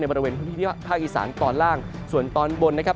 บริเวณพื้นที่ภาคอีสานตอนล่างส่วนตอนบนนะครับ